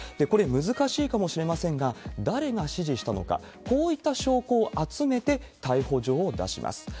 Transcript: これ、難しいかもしれませんが、誰が指示したのか、こういった証拠を集めて、逮捕状を出します。